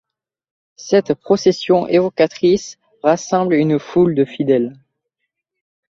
Cette procession évocatrice rassemble une foule de fidèles.